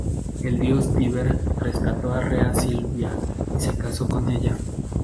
El dios Tíber rescató a Rea Silvia y se casó con ella.